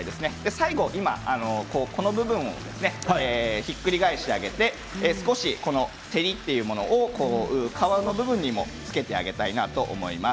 最後この部分をひっくり返してあげて少し照りというものを皮の部分にもつけてあげたいなと思います。